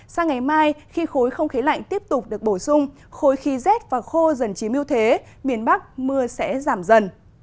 sang ngày mai khi khối không khí lạnh tiếp tục được bổ sung khối khí rét và khô dần chỉ miêu thế miền bắc mưa sẽ giảm dần